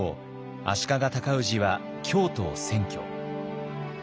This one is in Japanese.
足利尊氏は京都を占拠。